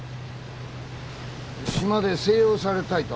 島で静養されたいと。